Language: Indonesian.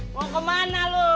mau kemana lu